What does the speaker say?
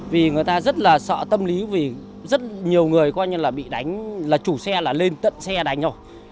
vì người ta rất là sợ tâm lý vì rất nhiều người coi như là bị đánh là chủ xe là lên tận xe đánh rồi